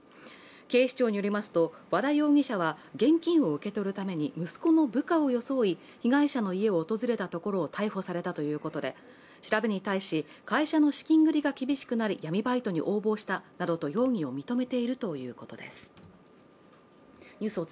警視庁によりますと和田容疑者は現金を受け取るために息子の部下を装い被害者の家を訪れたところを逮捕されたということで調べに対し会社の資金繰りが厳しくなり闇バイトに応募したなどと容疑を認めているということです。